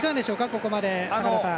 ここまで、坂田さん。